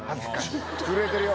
震えてるよ！